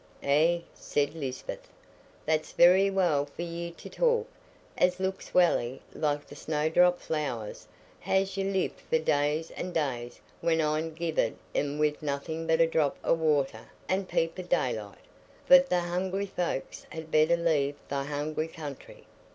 "Eh!" said Lisbeth, "that's very well for ye to talk, as looks welly like the snowdrop flowers as ha' lived for days an' days when I'n gethered 'em, wi' nothin' but a drop o' water an' a peep o' daylight; but th' hungry foulks had better leave th' hungry country.